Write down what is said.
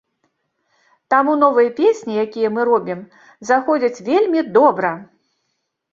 Таму новыя песні, якія мы робім, заходзяць вельмі добра!